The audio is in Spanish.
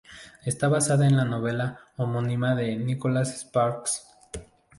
Está basada en la novela homónima de Nicholas Sparks.